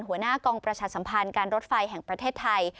หัวหน้ากองประชาสัมพันธ์การรถไฟแห่งประเทศไทย